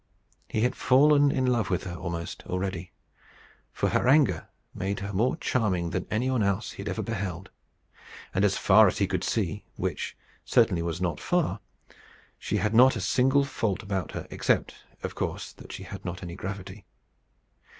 He had fallen in love with her almost, already; for her anger made her more charming than any one else had ever beheld her; and, as far as he could see, which certainly was not far, she had not a single fault about her, except, of course, that she had not any gravity.